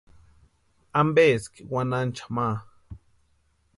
¿Ampeski wanhancha ma?